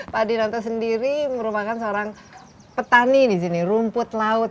pak dinanto sendiri merupakan seorang petani di sini rumput laut